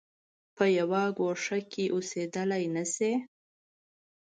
په یوه ګوښه کې اوسېدلای نه شي.